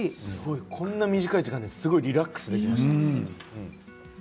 こんな短い時間でリラックスできました。